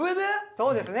そうですね。